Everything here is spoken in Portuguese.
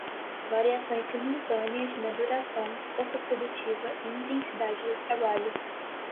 Variações simultâneas na duração, força produtiva e intensidade do trabalho